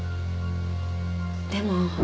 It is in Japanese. でも。